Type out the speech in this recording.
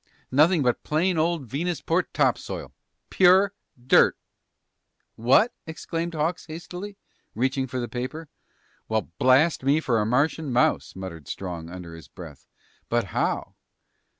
Nothing but plain old Venusport topsoil. Pure dirt!" "What?" exclaimed Hawks hastily, reaching for the paper. "Well, blast me for a Martian mouse," muttered Strong under his breath. "But how?"